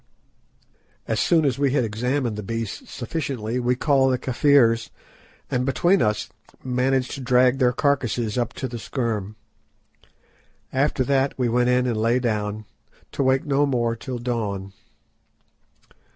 As soon as we had examined the beasts sufficiently we called the Kafirs, and between us managed to drag their carcases up to the scherm. After that we went in and lay down, to wake no more till dawn.